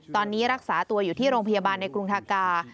ตอนนี้รักษาตัวอยู่ที่โรงพยาบาลในกรุงทากา